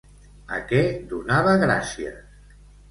A què donava gràcies?